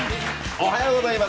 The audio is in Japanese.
おはようございます。